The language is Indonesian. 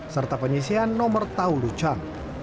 serta penyesian nomor taulu champ